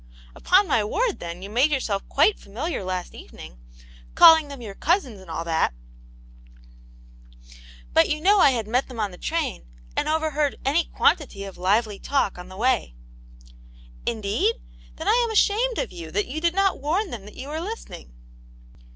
" Upon my word, then, you made yourself quite familiar last evening, calling them your cousins, and aJJtliat/' Aunt yane's Hero. 6 1 "But you know I had met them on the train, and overheard any quantity of lively talk on the way." " Indeed ? Then I am ashamed of you that you did not warn them that you were listening."